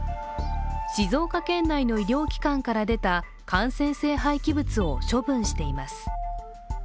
静岡県内の医療機関から出た感染性廃棄物を処分しています。